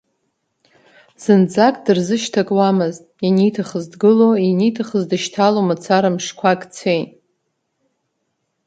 Зынӡак дырзышьҭакуамызт, ианиҭахыз дгыло, ианиҭахыз дышьҭало мацара, мшқәак цеит.